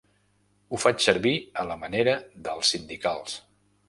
Ho faig servir a la manera dels sindicals.